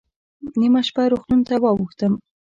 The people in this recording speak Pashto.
نیمه شپه روغتون ته واوښتم.